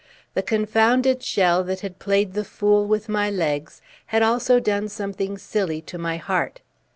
The confounded shell that had played the fool with my legs had also done something silly to my heart.